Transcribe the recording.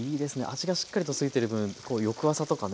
味がしっかりとついてる分翌朝とかね